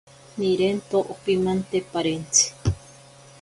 Nirento ompimante parentzi.